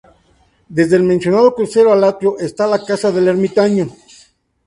Desde el mencionado crucero al atrio, está la casa del ermitaño.